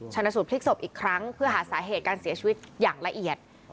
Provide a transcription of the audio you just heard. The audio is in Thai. ชนะสูตรพลิกศพอีกครั้งเพื่อหาสาเหตุการเสียชีวิตอย่างละเอียด